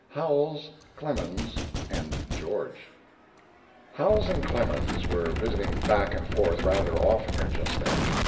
HOWELLS, CLEMENS, AND "GEORGE" Howells and Clemens were visiting back and forth rather oftener just then.